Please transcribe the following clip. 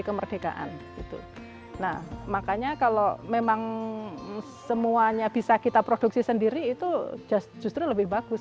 kemerdekaan itu nah makanya kalau memang semuanya bisa kita produksi sendiri itu justru lebih bagus